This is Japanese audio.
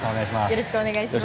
よろしくお願いします。